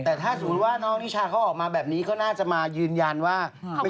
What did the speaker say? แต่ถ้าสมมุติว่าน้องนิชาเขาออกมาแบบนี้ก็น่าจะมายืนยันว่า